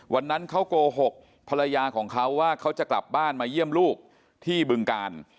วันนั้นเขาโกหกภรรยาของเขาว่าเขาจะกลับบ้านมาเยี่ยมลูกที่บึงกาล